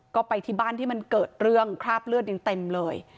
ก็ไปที่บ้านที่มันเกิดเรื่องคราบเลือดยังเต็มเลย